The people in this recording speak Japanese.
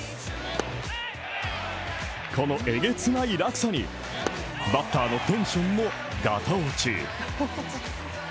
このえげつない落差にバッターのテンションもがた落ち。